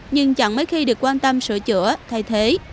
nhưng chẳng mấy khi được quan tâm sửa chữa thay thế